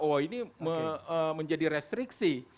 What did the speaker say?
oh ini menjadi restriksi